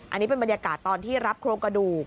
อันนี้เป็นบรรยากาศตอนที่รับโครงกระดูก